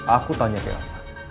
aku tanya ke elsa